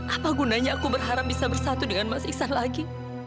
apa gunanya aku berharap bisa bersatu dengan mas iksan lagi